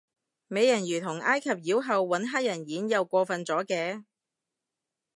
美人魚同埃及妖后搵黑人演又過份咗嘅